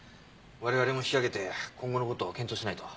我々も引き揚げて今後の事を検討しないと。